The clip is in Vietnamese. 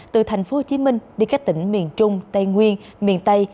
từ thành phố hồ chí minh đi cách tỉnh miền trung tây nguyên miền tây